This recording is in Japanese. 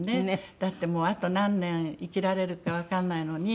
だってもうあと何年生きられるかわかんないのに。